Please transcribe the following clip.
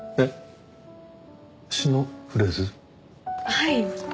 はい。